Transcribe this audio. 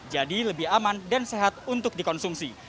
lebih aman dan sehat untuk dikonsumsi